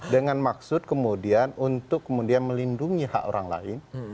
dengan maksud kemudian untuk kemudian melindungi hak orang lain